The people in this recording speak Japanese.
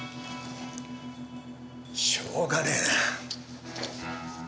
しょうがねぇな。